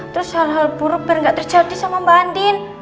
terus hal hal buruk biar nggak terjadi sama mbak andin